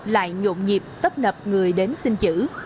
lại nhộn nhịp tấp nập người đến xin chữ